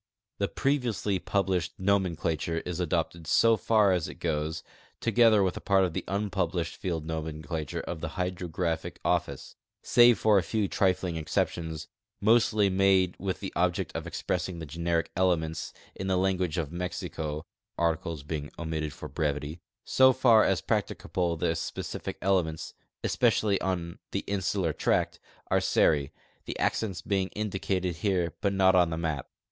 The previou sly publi.shed nomenclature is ado[)ted so far as it goes, together with a part of the unpublished field nomenclature of the Hydrographic Office, save for a few tritling exceptions mostly made with the object of expressing the generic elements in the language of Mexico (articles being omitted for brevity) So far as practicable the s))ecific elements, especially on the insular tract, are Seri, the accents being indicated here but not on the map.